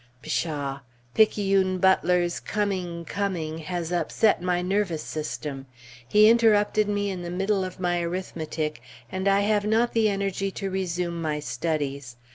Pshaw! "Picayune Butler's coming, coming" has upset my nervous system. He interrupted me in the middle of my arithmetic; and I have not the energy to resume my studies.